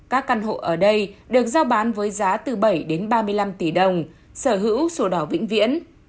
các căn hộ ở đây được giao bán với giá từ bảy đến ba mươi năm tỷ đồng sở hữu sổ đỏ vĩnh viễn